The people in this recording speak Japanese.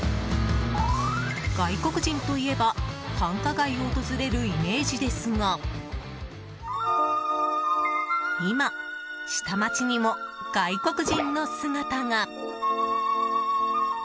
外国人といえば繁華街を訪れるイメージですが今、下町にも外国人の姿が。